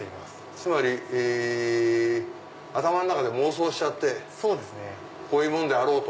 つまり頭の中で妄想しちゃってこういうもんであろうと。